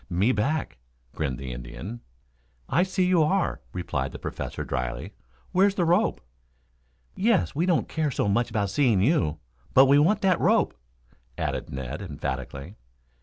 "Me back," grinned the Indian. "I see you are," replied the Professor dryly. "Where's the rope?" "Yes; we don't care so much about seeing you, but we want that rope," added Ned emphatically.